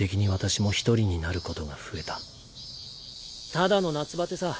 ただの夏バテさ。